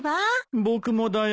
僕もだよ。